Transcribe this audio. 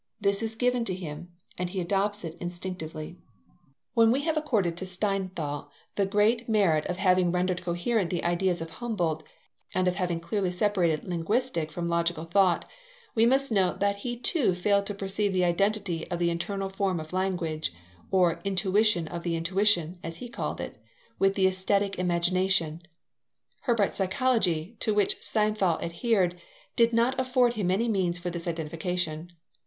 This is given to him and he adopts it instinctively. When we have accorded to Steinthal the great merit of having rendered coherent the ideas of Humboldt, and of having clearly separated linguistic from logical thought, we must note that he too failed to perceive the identity of the internal form of language, or "intuition of the intuition," as he called it, with the aesthetic imagination. Herbart's psychology, to which Steinthal adhered, did not afford him any means for this identification.